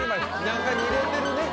中に入れてるね